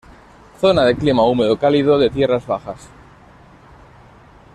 Zona de clima húmedo cálido de tierras bajas.